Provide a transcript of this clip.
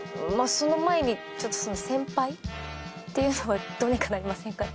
その前にちょっとその「先輩」っていうのはどうにかなりませんかね？